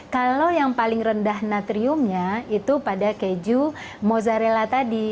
kalau yang paling rendah natriumnya itu pada keju mozzarella tadi